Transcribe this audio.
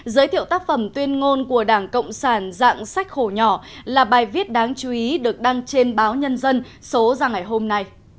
giới thiệu tác phẩm tuyên ngôn của đảng cộng sản dạng sách khổ nhỏ là bài viết đáng chú ý được đăng trên báo nhân dân số ra ngày hôm nay